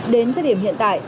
đến cái điểm hiện tại